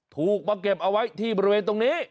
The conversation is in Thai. ถูกมาเก็บเอาไว้ที่บริเวณตรงนี้